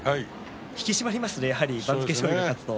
引き締まりますね、やはり番付上位が勝つと。